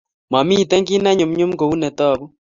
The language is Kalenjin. Mamito kiy ne nyumnyum kou ne tagu